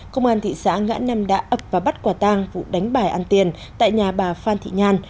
công an thị xã ngã nam đã ấp và bắt quả tang vụ đánh bài ăn tiền tại nhà bà phan thị nhan